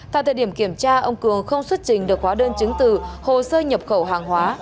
tại thời điểm kiểm tra ông cường không xuất trình được hóa đơn chứng từ hồ sơ nhập khẩu hàng hóa